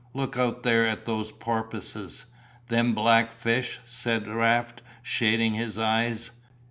Look out there at those porpoises." "Them black fish," said Raft, shading his eyes.